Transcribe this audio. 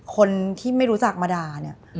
คนที่ไม่รู้จักมาด่าเนี่ย